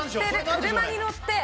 車に乗ってる。